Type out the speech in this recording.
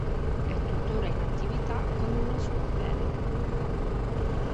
È tuttora in attività con una sua band.